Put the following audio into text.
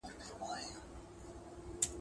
• د مېړه سيالي کوه، د بخته ئې مه کوه.